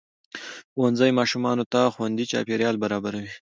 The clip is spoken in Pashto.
ښوونځی ماشومانو ته خوندي چاپېریال برابروي